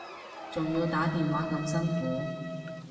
仲要打電話咁辛苦